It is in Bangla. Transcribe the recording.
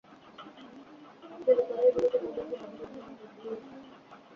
দেবতারা এইভাবে তোমাদের বিবাহ বন্ধনে আবদ্ধ করুক।